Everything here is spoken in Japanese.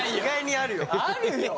あるよ。